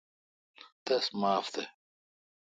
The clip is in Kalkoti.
تس معاف تھ۔